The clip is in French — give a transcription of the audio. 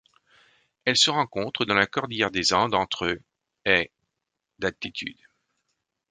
Elle se rencontre dans la cordillère des Andes entre et d'altitude.